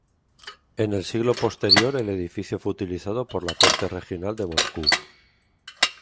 En el siglo posterior el edificio fue utilizado por la Corte Regional de Moscú.